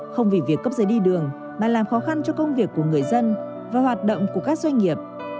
không vì việc cấp giấy đi đường mà làm khó khăn cho công việc của người dân và hoạt động của các doanh nghiệp